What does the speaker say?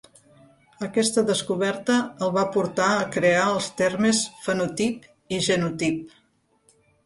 Aquesta descoberta el va portar a crear els termes fenotip i genotip.